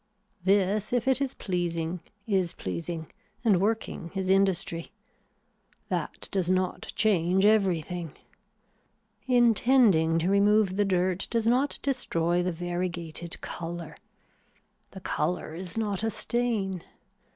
This if it is pleasing is pleasing and working is industry. That does not change everything. Intending to remove the dirt does not destroy the variegated color. The color is not a stain.